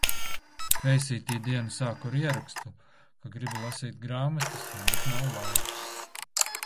Feisītī dienu sāku ar ierakstu, ka gribu lasīt grāmatas, bet nav laika.